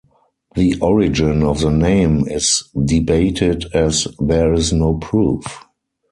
The origin of the name is debated as there is no proof.